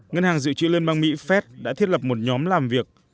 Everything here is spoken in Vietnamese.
ngân hàng dự trữ liên bang mỹ fed đã thiết lập một nhóm làm việc